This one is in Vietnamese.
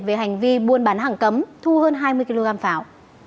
về hành vi buôn bán hàng cấm thu hơn hai mươi kg pháo